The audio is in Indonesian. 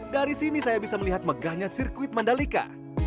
dari sini saya bisa melihat megahnya sirkuit mandalika